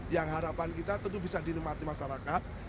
yang harapan kita tentu bisa dinikmati masyarakat